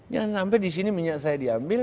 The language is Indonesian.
jangan sampai di sini minyak saya diambil